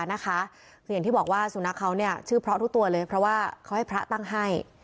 คืออย่างที่บอกว่าสุนัขเขาเนี่ยชื่อเพราะทุกตัวเลยเพราะว่าเขาให้พระตั้งให้